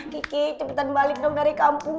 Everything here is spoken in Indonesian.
kiki cepetan balik dong dari kampung